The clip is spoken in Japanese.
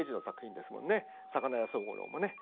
「魚屋宗五郎」もね。